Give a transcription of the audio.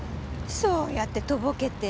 そうやってとぼけて。